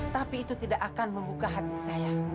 tapi itu tidak akan membuka hati saya